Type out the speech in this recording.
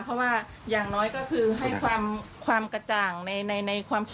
ได้มาจับมือได้สัมผัสได้ว่าแบบว่า